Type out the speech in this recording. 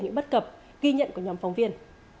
những bắt cập ghi nhận của nhóm phóng viên